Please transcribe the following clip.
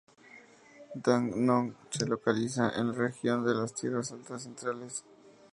Dak Nong se localiza en la región de las Tierras Altas Centrales.